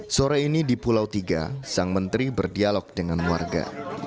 sore ini di pulau tiga sang menteri berdialog dengan warga